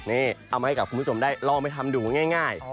นี่เอามาให้กับคุณผู้ชมได้ลองไปทำดูง่าย